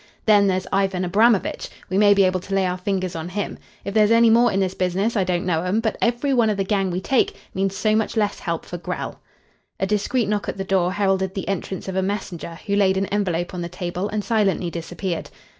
Then there's Ivan Abramovitch. We may be able to lay our fingers on him. If there's any more in this business I don't know 'em; but every one of the gang we take means so much less help for Grell." A discreet knock at the door heralded the entrance of a messenger, who laid an envelope on the table and silently disappeared.